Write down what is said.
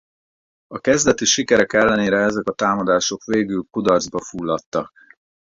A kezdeti sikerek ellenére ezek a támadások végül kudarcba fulladtak.